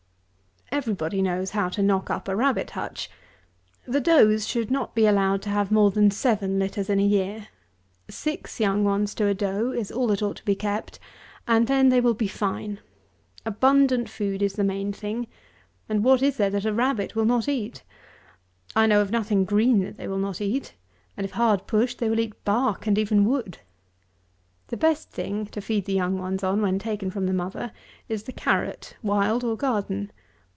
185. Every body knows how to knock up a rabbit hutch. The does should not be allowed to have more than seven litters in a year. Six young ones to a doe is all that ought to be kept; and then they will be fine. Abundant food is the main thing; and what is there that a rabbit will not eat? I know of nothing green that they will not eat; and if hard pushed, they will eat bark, and even wood. The best thing to feed the young ones on when taken from the mother, is the carrot, wild or garden.